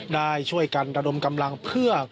ได้ช่วยกันระดมกำลังเพื่อ